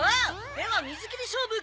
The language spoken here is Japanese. では水切り勝負開始！